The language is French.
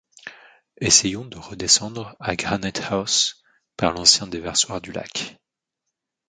Essayons de redescendre à Granite-house par l’ancien déversoir du lac.